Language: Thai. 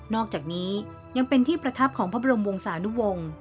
อกจากนี้ยังเป็นที่ประทับของพระบรมวงศานุวงศ์